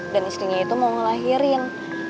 dan istrinya itu mau ngelahirin